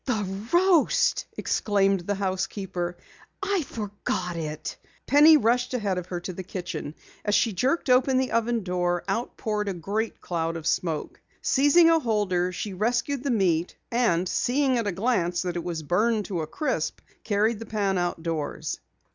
"The roast!" exclaimed the housekeeper. "I forgot it!" Penny rushed ahead of her to the kitchen. As she jerked open the oven door, out poured a great cloud of smoke. Seizing a holder, she rescued the meat, and seeing at a glance that it was burned to a crisp, carried the pan outdoors.